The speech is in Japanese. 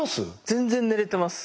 全然寝れてます。